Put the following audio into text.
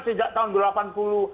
sejak tahun delapan puluh